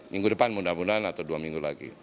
minggu depan mudah mudahan atau dua minggu lagi